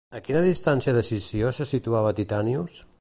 A quina distància de Sició se situava Titànios?